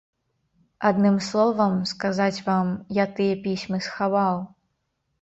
Адным словам, сказаць вам, я тыя пісьмы схаваў.